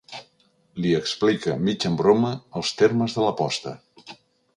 Li explica, mig en broma, els termes de l'aposta.